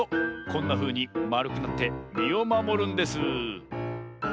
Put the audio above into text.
こんなふうにまるくなってみをまもるんです！